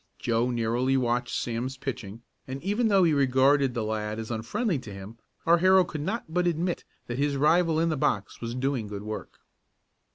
Joe narrowly watched Sam's pitching and even though he regarded the lad as unfriendly to him, our hero could not but admit that his rival in the box was doing good work.